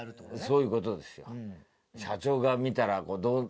そういうことですよ